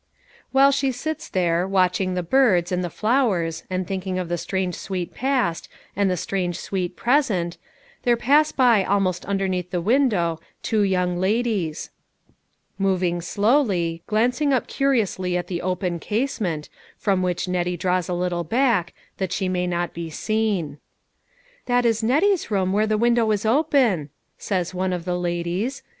While she sits there, watching the birds, and the flowers, and thinking of the strange sweet past, and the strange sweet present, there pass by almost underneath the window two young ladies ; moving slowly, glancing up curiously at the open casement, from which Nettie draws a little back, that she may not be seen. " That is Nettie's room where the window is open," says one of the ladies.